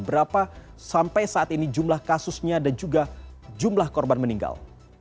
berapa sampai saat ini jumlah kasusnya dan juga jumlah korban meninggal